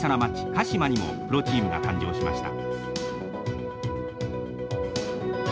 鹿島にもプロチームが誕生しました。